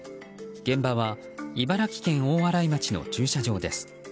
現場は茨城県大洗町の駐車場です。